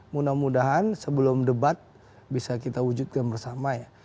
mudah mudahan sebelum debat bisa kita wujudkan bersama ya